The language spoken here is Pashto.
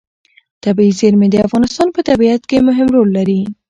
طبیعي زیرمې د افغانستان په طبیعت کې مهم رول لري.